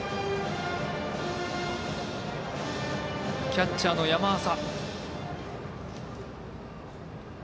キャッチャーの山浅。